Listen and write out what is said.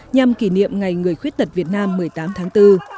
nhằm kỷ niệm ngày người khuyết tật việt nam một mươi tám tháng bốn